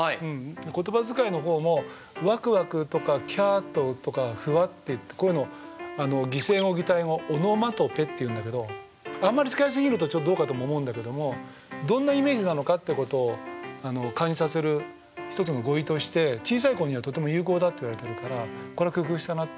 言葉遣いの方も「ワクワク」とか「キャっと」とか「フワッ」てこういうの擬声語・擬態語オノマトペっていうんだけどあんまり使い過ぎるとちょっとどうかとも思うんだけどもどんなイメージなのかってことを感じさせる一つの語彙として小さい子にはとても有効だといわれてるからこれは工夫したなって。